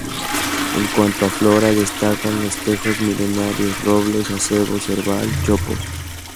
En cuanto a flora, destacan los tejos milenarios, robles, acebos, serbal, chopos...